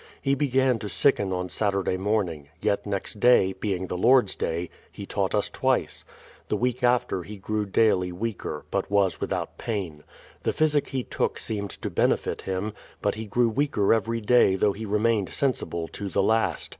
He began to sicken on Saturday morning; yet next day (being the Lord's day) he taught us twice. The week after he grew daily weaker, but was without pain. The physic he took seemed to benefit him, but he grew weaker every day, though he remained sensible to the last.